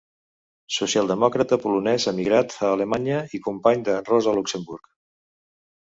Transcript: Socialdemòcrata polonès emigrat a Alemanya i company de Rosa Luxemburg.